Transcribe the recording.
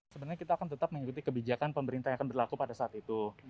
sebenarnya kita akan tetap mengikuti kebijakan pemerintah yang akan berlaku pada saat itu